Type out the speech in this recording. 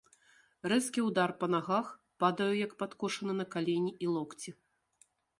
Рэзкі ўдар па нагах, падаю як падкошаны на калені і локці.